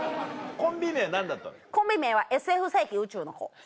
コンビ名は「ＳＦ世紀宇宙の子」。